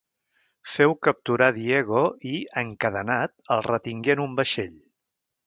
Feu capturar Diego i, encadenat, el retingué en un vaixell.